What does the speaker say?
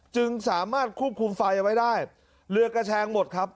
จึงสามารถควบคุมไฟเอาไว้ได้เรือกระแชงหมดครับ